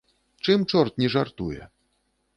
Чым чорт не жартуе!